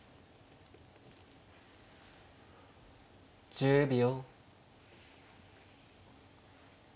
１０秒。